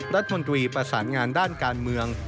รัฐมนตรีประสานงานด้านการเมือง